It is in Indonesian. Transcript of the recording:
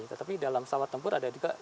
tetapi dalam pesawat tempur ada juga